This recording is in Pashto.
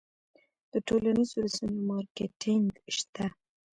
د ټولنیزو رسنیو مارکیټینګ شته؟